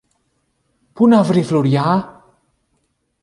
Πού να βρει φλουριά;